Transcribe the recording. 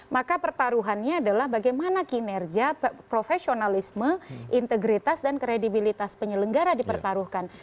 maka pertaruhannya adalah bagaimana kinerja profesionalisme integritas dan kredibilitas penyelenggara dipertaruhkan